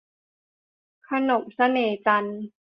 ขนมเสน่ห์จันทร์